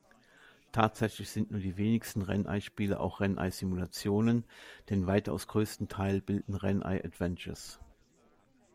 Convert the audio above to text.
Tatsächlich sind nur die wenigsten Ren’ai-Spiele auch Ren’ai-Simulationen; den weitaus größten Teil bilden "Ren’ai-Adventures".